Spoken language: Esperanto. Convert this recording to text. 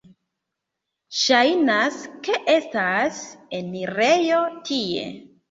Ŝajnas, ke estas enirejo tie.